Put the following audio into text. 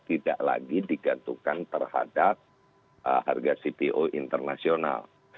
tidak lagi digantungkan terhadap harga cpo internasional